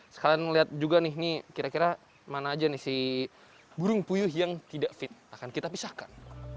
dan kalian lihat juga nih kira kira mana aja si burung puyuh yang tidak fit akan kita pisahkan